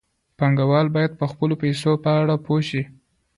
پانګوال باید د خپلو پیسو په اړه پوه شي.